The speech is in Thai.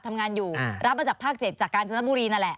เรารับมาจากภาค๗จากการจำลับบุรีนั่นแหละ